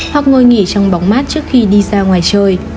hoặc ngồi nghỉ trong bóng mát trước khi đi ra ngoài chơi